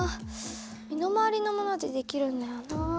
身のまわりのものでできるんだよな。